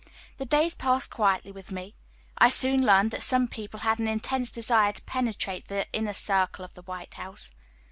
The days passed quietly with me. I soon learned that some people had an intense desire to penetrate the inner circle of the White House.